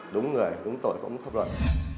đúng người đúng tội cũng pháp luật